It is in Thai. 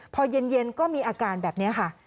พอเย็นก็มีอาการแบบนี้ค่ะ